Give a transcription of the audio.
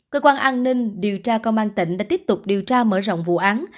cơ quan an ninh điều tra công an tỉnh đã tiếp tục điều tra mở rộng vụ án